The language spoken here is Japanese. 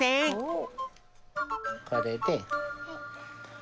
これで。